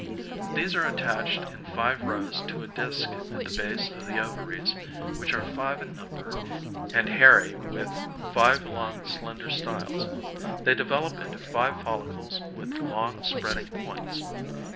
These are attached in five rows to a disc at the base of the ovaries, which are five in number and hairy with five long slender styles; they develop into five follicles with long spreading points.